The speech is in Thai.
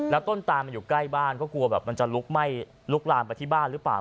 แล้วต้นตามันอยู่ใกล้บ้านก็กลัวแบบมันจะลุกไหม้ลุกลามไปที่บ้านหรือเปล่า